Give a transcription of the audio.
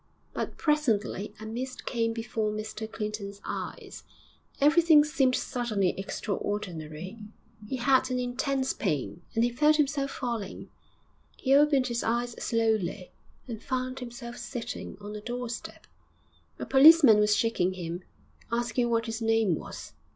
But presently a mist came before Mr Clinton's eyes, everything seemed suddenly extraordinary, he had an intense pain and he felt himself falling. He opened his eyes slowly, and found himself sitting on a doorstep; a policeman was shaking him, asking what his name was.